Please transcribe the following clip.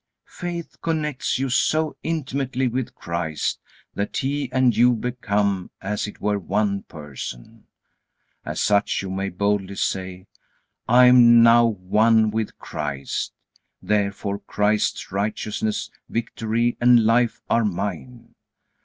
Faith connects you so intimately with Christ, that He and you become as it were one person. As such you may boldly say: "I am now one with Christ. Therefore Christ's righteousness, victory, and life are mine."